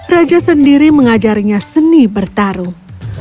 raja sendiri mengajarinya seni bertaruh